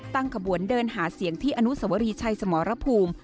ขบวนเดินหาเสียงที่อนุสวรีชัยสมรภูมิ